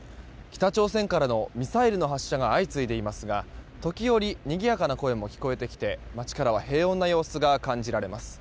北朝鮮からのミサイルの発射が相次いでいますが時折にぎやかな声も聞こえてきて街からは平穏な様子が感じられます。